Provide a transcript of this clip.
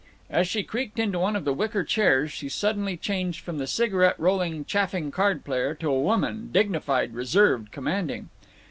As she creaked into one of the wicker chairs she suddenly changed from the cigarette rolling chaffing card player to a woman dignified, reserved, commanding.